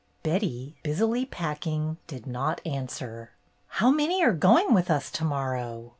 Betty, busily packing, did not answer. "How many are going with us to morrow